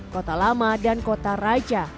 kota lama dan kota raja